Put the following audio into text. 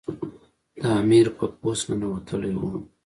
د امیر په پوست ننوتلی وو.